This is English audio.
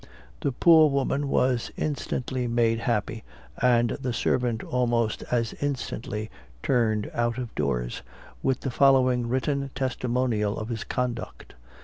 The poor woman was instantly made happy, and the servant almost as instantly turned out of doors, with the following written testimonial of his conduct.